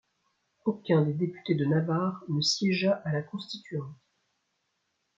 Aucun des députés de Navarre ne siégea à la Constituante.